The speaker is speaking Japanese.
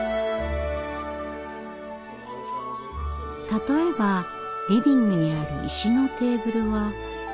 例えばリビングにある石のテーブルは。